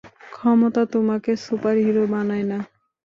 ক্ষমতা তোমাকে সুপারহিরো বানায় না।